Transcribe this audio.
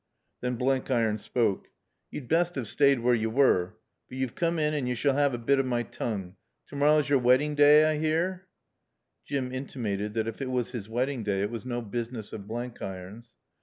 Then Blenkiron spoke. "You'd best 'ave staayed where yo' were. But yo've coom in an' yo' s'all 'ave a bit o' my toongue. To morra's yore weddin' day, I 'ear?" Jim intimated that if it was his wedding day it was no business of Blenkiron's.